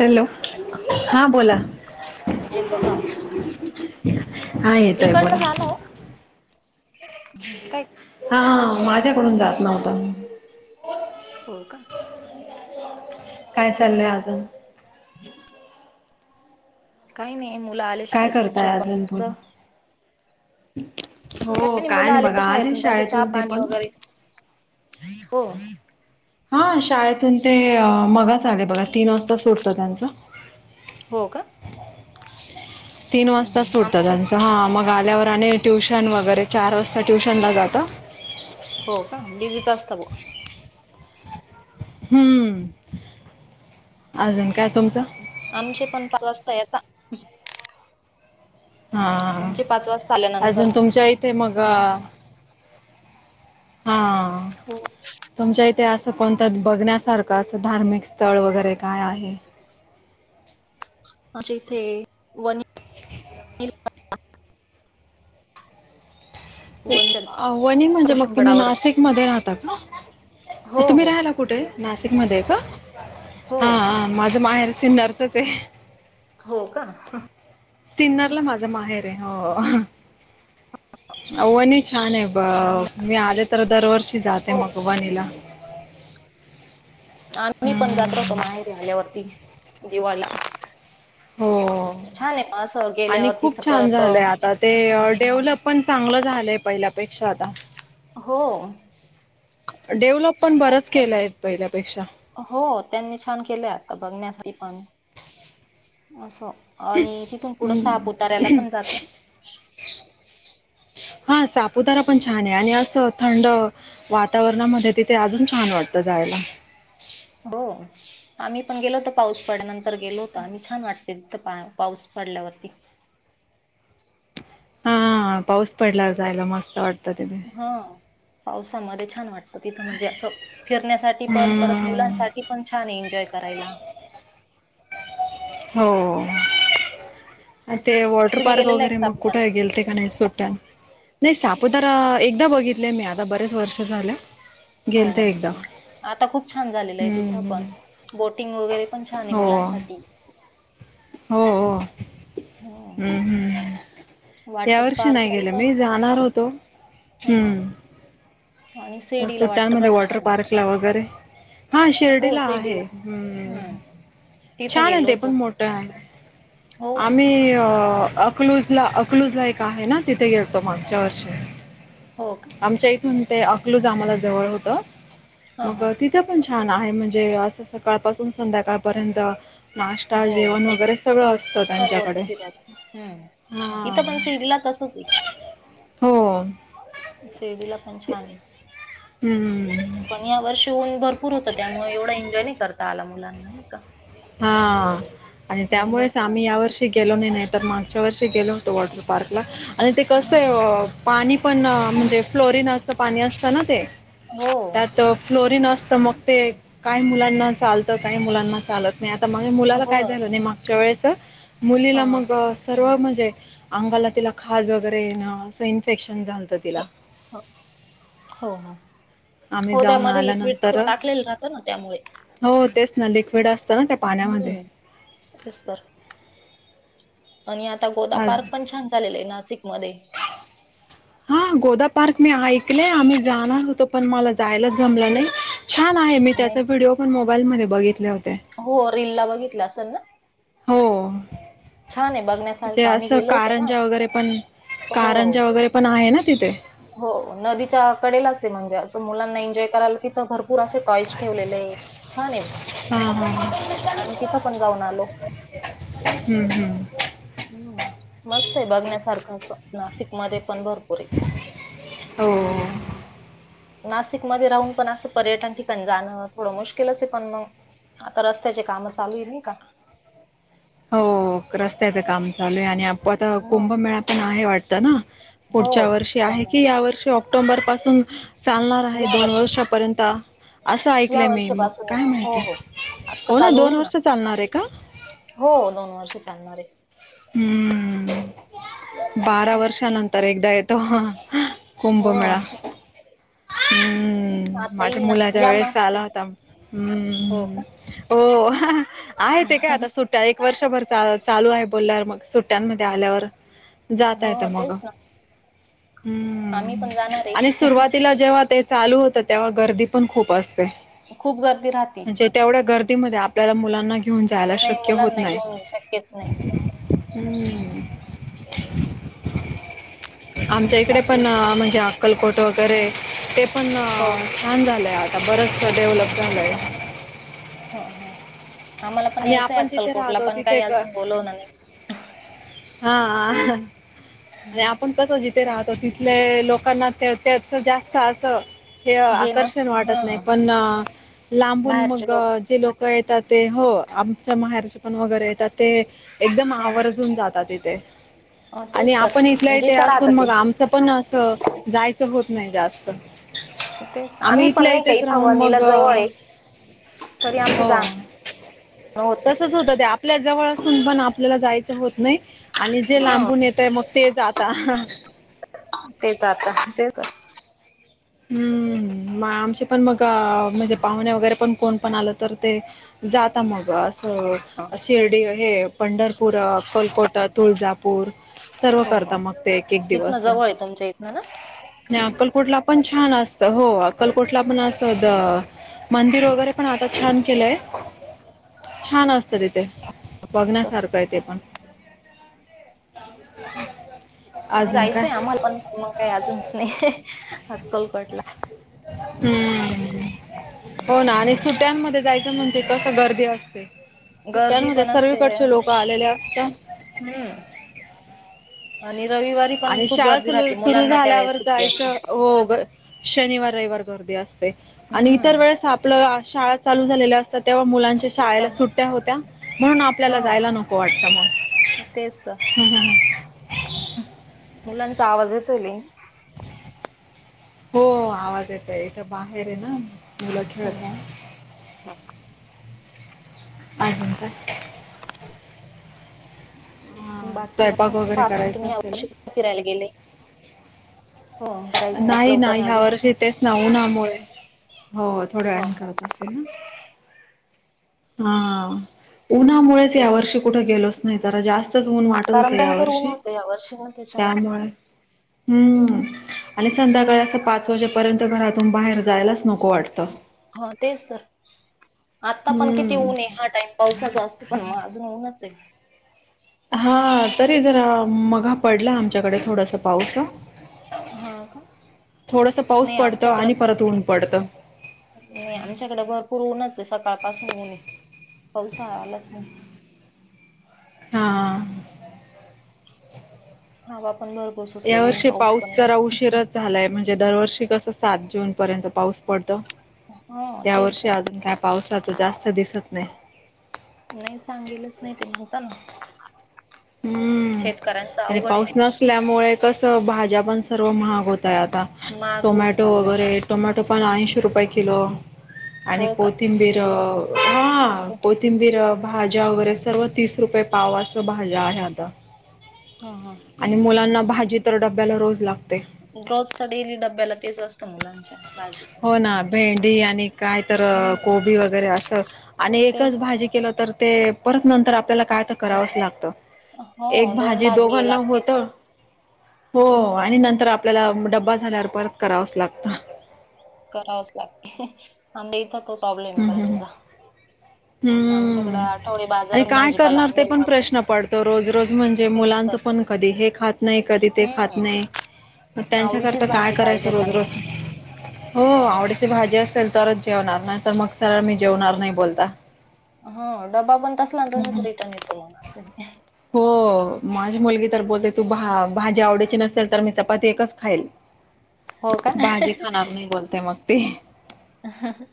Hello हा येतो का आवाज? हां येतोय इकडनं बोला झालं काय हा माझ्याकडून जात नव्हतं हो का. काय चाललंय अजुन काही नाही मुलं आले काय शाळेतुन करताय चहा पाणी अजून बोला अजुन हो काय नाही मुलं बघा आले शाळेतुन त्यांचं चहा शाळेतून ते पाणी पण वेगैरे हो हा शाळेतून ते मगाच आले बघा. तीन वाजता सुटत त्यांचा हो का तीन हम्म, वाजता हम्म. सुटत आमचे त्यांच हा मग आल्यावर ट्युशन वेगैरे चार वाजता ट्युशन ला जाता हो का बिझीच असतं हम्म अजुन आमचे पण पाच वाजता येता हा आल्यानंतर अजुन तुमच्या इथे मग हा हो तुमच्या इथे असं असं कोणत बघण्यासारखं अस धार्मिक स्थळ वगैरे काय आहे म्हणजे इथे वनी [inaudible] वनी वणी म्हणजे मग तुम्ही सरशंगडावर नाशिक मध्ये राहता का? हो तुम्ही हो राहायला कुठे हे? नाशिक मध्ये आहे का हो हा माझं माहेर सीन्नरच आहे. हो का? सिन्नारला माझा माहेर आहे हो वणी छान आहे आम्ही ब ना- मी आले तर दरवर्षी जाते हो मग वणीला आ मी पण जाता होतो हम्म. माहेरी आल्यावरती दिवाळीला हो छान आहे पण असं आणि गेल्यावर खुप तिथं छान परत झालंय आता ते डेव्हलप पण चांगलं झालंय पहिल्यापेक्षा आता हो डेव्हलप पण बरच केलंय पहिल्यापेक्षा हो त्यांनी छान केले आता बघण्यासाठी पण असं आणि तिथुन पुढं हम्म. सहापुतऱ्याला पण जातात. हा सापुतारा पण छान छान आहे आणि असं थंड वातावरणामध्ये तिथे अजून छान वाटतं जायला. हो आम्ही पण गेलो होतो पाऊस पडल्या नंतर गेलो होत आम्ही छान वाटलं. पाऊस पडल्यावरती हा पाऊस पडला जायला मस्त वाटतं. तिथे. हा पावसामध्ये छान वाटतं. तिथं म्हणजे असं फिरण्यासाठी पण परत हम्म. मुलांसाठी पण छान आहे एन्जॉय करायला. हो. तेच ते तर वॉटर तुम्ही पार्क गेलेला आहे वगैरे का मग कुठे सापुतारला गेलते का नाही सुट्ट्यात नाही. सापुतारा एकदा बघितलेय मी आता बरेच वर्ष झाले हो हो गेलते एकदा. आता खूप छान झालेलं आहे तिथं पण हम्म. बोटिंग वगैरे पण छान आहे हो. मुलांसाठी. हो हो हम्म ह हं. या वॉटर वर्षी नाही पार्कला गेलं इथं मी जाणार होतो. ह हं. ह आणि शिर्डीला सुट्ट्यां मध्ये पार्क वॉटर छान आहे पार्कला वगैरे. हा शिर्डीला आहे हं हम्म तिथं छान आहे गेलो ते होतो. पण मोठं आहे. हो, आम्ही अ... अकलूजला अकलूज ला एक आहे ना तिथे गेेततो मा, मागच्या वर्षी. हो का. आमच्या ते अकलूज आम्हाला जवळ होत हां, मग हां. तिथे पण. छान आहे म्हणजे असं सकाळपासून संध्याकाळपर्यंत. नाश्ता हो जेवण एक वगैरे सगळं असतं सर्व त्यांच्याकडे. फिरायचं. हम्म. हा इथं पण शिर्डीला ला तसच आहे. हो. शिर्डीला पण छान आहे हम्म. पण या वर्ष होऊन भरपू पूर होतं त्यामुळे एवढा एनजॉय नाही करता आला मुलांना नाही का. हा, आणि ऊन त्यामुळेच भरपूर आम्ही या असेल वर्षी गेलो नाही नाही तर मागच्या वर्षी गेलो होतो वॉटर पार्कला आणि ते हो, कसं. [unintelligible] पाणी पण म्हणजे फ्लोरिन असं पाणी असतं ना ते हो, त्यात फ्लोरन असतं तर मग ते काय मुलांना चालतं काय मुलांना चालत नाही. आता मुलाला हो. काय झाले नाही मागच्या वेळेस मुलीला हां, हां. मग सर्दी. त म्हणजे अंगाला खाज वगैरे असं एंपेंशन येणं झालतं ए तिला. हो, हो, हो. आम्ही हो जाऊन त्यामध्ये लिक्विडच आल्यानंतर टाकलेलं राहतं ना त्यामुळे. हो तेच. ना लिक्विड असतं ना त्या पाण्यामध्ये. हम्म. तेच तर आणि आता गोदा आज पार्क पण छान झाले आहे नाशिक मध्ये. हा गोदा पार्क मी ऐकलेय आम्ही जाणार होतो पण मला जायलाच जमला नाही. छान आहे मी नाही त्याचा व्हिडिओ पण मोबाईलमध्ये बघितले होते. हो रिलला ला बघितलं असेल ना. हो छान आहे म्हणजे बघण्यासारखं आम्ही असं गेलो होतो ना कारंजा वगैरे पण हो कारंजा वगैरे पण आहे ना. तिथे हो नदीच्या कडेलाच म्हणजे असं मुलांना एन्जॉय करायला तिथं भरपू पुरासे टॉईस ठेवलेले आहे छान आहे. हा हा आणि तिथं पण जाऊन आलो. हम्म हम्म ह् मस्त आहे. बघण्यासारखा नाशिक मध्ये पण भरपूर आहे. हो.. नाशिकमध्ये राहून पण असं पर्यटन ठिकाण जाणं थोडं मुश्किलच आहे पण मग? आता रस्त्याचे काम चालू आहे. नाही का. हो रस्त्याच काम चालू आहे आणि आता हम्म कुंभमेळा पण आहे.. वाटत ना हो पुढच्या वर्षी आहे की त्यामुळे या वर्षी ऑक्टोबर पासून... चालणार आहे या दोन वर्षी वर्षापर्यंत. असं या ऐकलंय मी मग काय वर्षापासूनच हो माहिती हो आत्ता हो चालू दोन होईल ना. वर्ष चालणार आहे का हो दोन वर्ष चालणार ये. हम्म बारा आहे वर्षा नंतर एकदा येतो हा हा. हो. [unintelligible] हा. माझ्या मुलाच्या वेळेस आला होता. हो हम्म का हो आहे ते का आता सुट्ट्या एक वर्ष भर.. शाळा चालू आहे बोलल्यावर मग सुट्टयान मध्ये आल्यावर जाता हो येतं मग. तेच ना आम्ही हम्म पण जाणार आणि आहे सुरुवातीला जेव्हा ते चालू हो तं तेव्हा गर्दी पण खूप असते खूप गर्दी राहते म्हणजे तेवढ्या गर्दीमध्ये आपल्याला मुलांना घेऊन जायला नाही शक्य होत मुलांना नाही. घेऊन शक्यच नाही हम्म. आमच्या इकडे बाकी पण म्हणजे अक्कलकोट हं, वगैरे ते पण हो का? छान झालय आज बरचस डेव्हलप झालंय. हा हा. आम्हाला पण यायचंय आपण जिथे अक्कलकोटला राहतो पण काय तिथे क अजून बोलवला नाही. हा हा आणि आपण कसं जिथे राहतो तिथले लोकांना त्या त्या चा जास्त असं हे नस आकर्षण हा वाटत नाही पण अ लांबून मग जे लोक येतात ते हो आमच्या महाराष् पण वगैरे येतात ते एकदम हं, हं. आवर्जून जातात इथे अं, आणि तेच तर आपण इथल्या इथे जिथं राहतं असून मग ते आमचं पण असं जायचं होत नाही जास्त. तेच आम्ही पण इथल्या नाही का इथेच इथं राहून मग वणीला जवळ आहे तरी आमचं हो. जाणं होत तसच होतं ते आपल्या जवळ असून पण आपल्याला जायचं होत नाही आणि नाही जे हा लांबून येताय आ मग ते जाता. तेच आता [unintelligible] हम्म. हम्म, आमचे पण मगं अ म्हणजे पाहुणे वगैरे पण कोण पण आलं तर ते जाता मग अस हं, अ शिर्डी हे पंढरपूर, अक्कलकोटा, तुळजापूर सर्व हो करता हो मग ते एक-एक तिथनं दिवस जवळ आहे तुमच्या इथनं ना नाही अक्कलकोटला पण छान असतं हो. अक्कलकोटला पण असं द मंदिर वगैरे पण आता छान केलंय. छान असते तिथे बघण्यासारखं आहे तेे पण. अजून जायचंय काय आम्हाला पण मग काही अजूनच नाही अक्कलकोटला. हम्म हो ना आणि सुट्यांमध्ये जायचं म्हणजे कस गर्दी असते. गर्दी सुट्टयांमध्ये पण असते सर्वीकडचे लोकं आलेले असत्या. हम्म आणि रविवारी पण आणि खूप शाळा गर्दी सुलू राहते सुरू मुलांना झाल्यावर त्यावेेळेस सुट्टी असते जायचं हो ग शनिवार, रविवार ग गर्दी असते आणि हम्म इतर वेळेस आपलं शाळा चालू झालेल्या असतात तेव्हा मुलां च्या शाळेला सुट्या त्यामुळे होत्या म्हणून आपल्याला हा जायला नको वाटत म. तेच तर हा हा हा. मुलांचा आवाज येतोय लई. हो आवाज येतय इथं बाहेर आहे ना ममुलं हम्म खेळताय. अजून काय? हा बाकी स्वयंपाक मग वगैरे अजून करायचा तुम्ही या असेल ना? वर्षी कुठें फिरायला गेले? हो करायचं इतकं नाही ना लवकर ह्या अजून वर्षी तेच ना ऊन्हामुळे हो थोड्या हो वेळाने हो करत असेल ना. हा. उन्हामुळेच तेच यावर्षी कुठं गेलोच नाही जरा जास्तच ऊन वाटत होतं या वर्षी तू बन त्याच्या म. हम्म आणि संध्याकाळी आसं पाच वाजेपर्यंत घरातून बाहेर जायलाच नको वाटतं. हा तेच तर. आता पण किती हम्म ऊन आहे हा टाइम पावसाचा असतो पण म अजून ऊनच आहे. हा तरी जरा मघा पडला आमच्याकडे थोडसं पाऊस. हा का थोडसा पाऊस नाही पडतं आमच्याकडं आणि परत ऊन पडतं. नाही, आमच्याकडे भरपूर ऊनच आहे सकाळ [unintelligible] मी. पाऊस हा आलाच नाही हा हा बा या वर्षी पाऊस जरा उशीराच झालाय म्हणजे दरवर्षी कसं सात जून पर्यंत पाऊस पड तो. हा तेच यावर्षी तर अजून काय पावसाचं जास्त दिसत नाही. नाही सांगेलच नाही तर होता ना हम्म शेतकऱ्यांच आणि अवघड आहे पाऊस या वर्षी नसल्यामुळे कसं भाज्या पण सर्व महाग होत ताय, आता महाग होत टोमॅटो चाललाय वगैरे टोमॅटो पण ऐंशी रुपये किलो आणि हो का कोथिंबीर... अं... हा बापू कोथिंबीर अं भाज्या वगैरे सर्व तीस रुपये पाव आसं भाज्या आहे आता हा हा आणि मुलांना भाजी तर डब्याला रोज लाग बस तर... डेली डब्याला तेच असतं मुलांच्या भाजी होय ना... भेंडी आणि काय तर, हम्म कोबी वगैरे आसं आणि एकच तेच भाजी केलं तर ते परत नंतर आपल्याला काय तर करावंच नंतर लागतं. हो एक दोन भाजी दोघांना लागतेच होतं हो तेच तर आणि नंतर आपल्याला डब्बा झाल्यावर परत करावाचं लागतं. करावंच लागतं [unintelligible] भाज्याचा. हम्... आणि काय भाजीपाला करणार ते आणलेला पण जातो प्रश्न पडतो रोज रोज म्हणजे मुला तेच तर लाचं पण कधी हे खात नाही कधी ते खात हम्म नाही, मग आवडीचीच त्यांच्याकरता काय भाजी पाहिजे करायचं रोज त्यांना रोज? हो आवडीची भाजी असेल तरच जेवणार, नाही तर मग सरळ मी जेवणार नाही बोलता ह हम्म हम्म [unintelligible] असं ए हो... माझी मुलगी तर बोलते, तू भा.. भाजी आवडीची नसेल तर मी चपाती एकच खाईल. हो का भाजी खाणार नाही, बोलते मग ती. हं.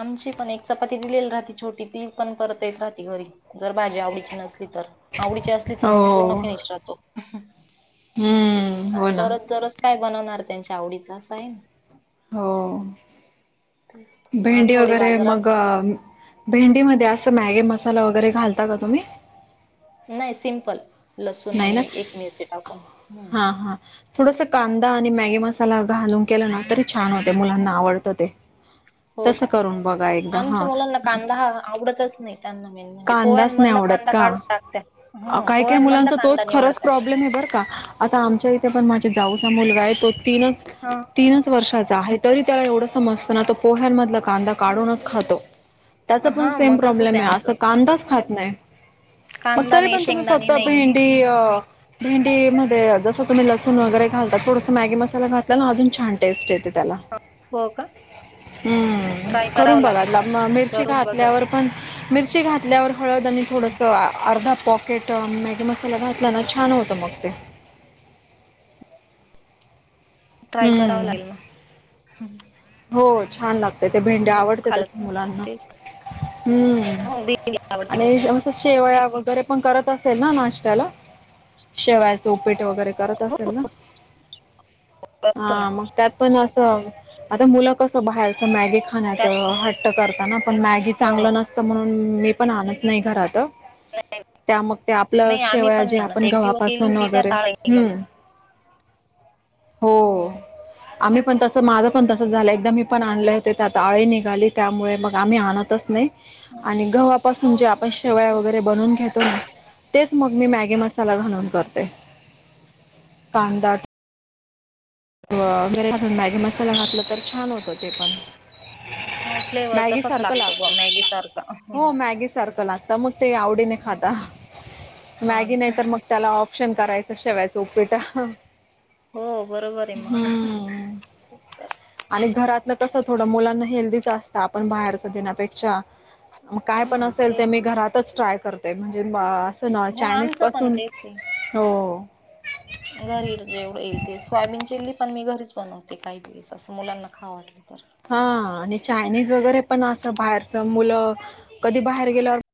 आमची पण एक चपाती दिलेली राहती... छोटी... ती पण परत येत राहती घरी, जर भाजी आवडीची नसली. ली तर, आवडीची असली तर मग हो पूर्ण फिनिश राहतो. हम्म हो ना दरोज दरोज काय बनवणार त्यांच्या आवडीचं? आसं आहे ना. हो. तेच. भेंडी आठवडी वगैरे बाजार मग... असतो अं... भेंडी मध्ये असं मॅगी मसा साला वगैरे घालता का तुम्ही? नाही सिम्पल... लसूण नाही ना आणि एक मिरची टाकून, हम्म हा हा थोडसं कांदा आणि मॅगी मसाला घालून केला ना तरी छान होते, मुलांना आवडतं ते हो का तसं करून बघा एकदा आमच्या हा. मुलांना कांदा हा आवडतच नाही त्यांना मेन म्हणजे कांदाच नाही पोह्यांमधला आवडत कांदा का? काढून टाकत्या. हं काई काई पोह्यांमधला मुलांचा कांदा तोच खरंच निवडताय. प्रॉब्लेम ए बरं का? आता आमच्या थे पण माझे जाऊचा मुलगा हाय. तो तीनच... हं तीनच वर्षाचा हाय तरी त्याला एवढं समज पण आता पोह्यांमधला कांदा काढूनच खातो, त्याचं पण हा सेम मग तसच प्रॉब्लेम आहे हे आमचं. आसं कांदाच खात नाही. मग कांदा तरी नाही पण तुम्ही शेंगदाणे फक्त नाही. भेंडी अं भेंडी.. मध्ये जसं तुम्ही लसूण वगैरे घालता, थोडसं मॅगी मसाला घातला ना अजून छान टेस्ट येते त्याला. हो का हम्म... ट्राय करून करावं बघा.. लागेल मग. [unintelligible] मिरची करून बघल घातल्यावर पण ची घातल्यावर हळद आणि थोडंसं अर्धा पॉप केट मॅगी मसाला घातला ना, छान होतं मग ते ट्राय करावं हम्म लागल मग... हं हो, छान लागते ते. भेंडी बघू आवडते खाल तसं मुलांना. तेच हम्म हो भेंडी आवडती आणि मुलांना. असं शेवया वगैरे पण करत अस असेल ना नाश्त्याला? शेवायचं उपीट वगैरे करत असाल ना? हा करतो ना मग त्यात पण असं... आता मुलं कसं बाहेरचं मॅगी त्यात खाण्याचं हट्ट करताना... पण मॅगी अ, चांगलं नसतं म्हणून... मी पण आणत नाही घरात. त्या मग ते आपलं नाही आम्ही शेवाया पण जे नाही आणत आपण एक दिवस केली गव्हापासून होती वगैरे, त्यात आळी निघाली. हम्म. हो [inaudible] आम्ही पण तसं माझं पण तसं झालं एकदा मी पण आणले ते त्यात आळी निघाली त्यामुळे मग आम्ही आणतच नाही. हो आणि गव्हापासून जे आपण शेवया वगैरे बनवून घेतो ना. तेच मग मी मॅगी मसाला घालून करते, कांदा ना? वगैरे, मॅगी मसाला घातला तर छान होतो ते पण. [inaudible] फ्लेवर मॅगी तसाच सारख लागतो ब मॅगी लागत सारखा. हं, हो मॅगी सारखं लागत मग ते आवडीने खा हं. ता, हा मॅगी ना नाही तर मग त्याला ऑप्शन करायचं शेवायचं उपीट. बरया मग. हम्म तस थोडं मुलांना हेल्दीच असत आपण बाहेरच देण्यापेक्षा म काय पण हम्म असेल ते तेच मी घरातच ट्राय करते म्हणजे बा ना हो चायनीज आमचं पण पासून, तेच आहे. हो. घरी जेवढ येईल ते स्वायाबीन चीलि पण मी घरीच बनवते काही दिवस असं मुलांना खाऊन. हा आणि चायनीज वगैरे पण असं बाहेरच मुलं कधी बाहेर गेल्यावर